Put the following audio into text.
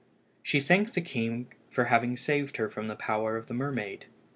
She thanked the king for having saved her from the power of the mermaid.